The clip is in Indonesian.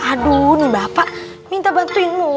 aduh nih bapak minta bantuinmu